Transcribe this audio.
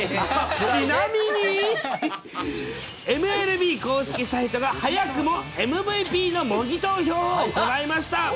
ちなみに、ＭＬＢ公式サイトが、早くもＭＶＰの模擬投票を行いました。